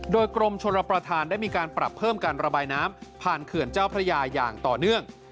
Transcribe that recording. โดยกรมชนรับประทานได้มีการปรับเพิ่มการระบายน้ำผ่านเขื่อนเจ้าพระยาอย่างต่อเนื่อง